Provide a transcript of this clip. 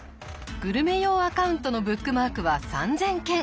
グルメ用アカウントのブックマークは３，０００件。